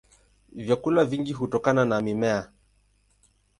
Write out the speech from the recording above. Vyakula vingi hutokana na mimea.